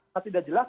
tapi tidak jelas